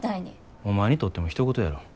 お前にとってもひと事やろ。